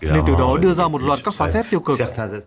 nên từ đó đưa ra một loạt các phá xét tiêu cực